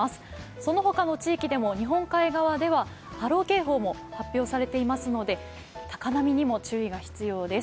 そのほかの地域でも日本海側では波浪警報も発表されていますので、高波にも注意が必要です。